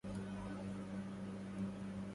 وموشية بالبيض والزغف والقنا